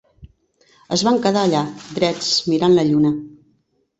Es van quedar allà drets mirant la lluna.